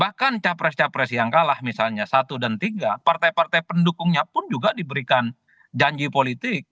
bahkan capres capres yang kalah misalnya satu dan tiga partai partai pendukungnya pun juga diberikan janji politik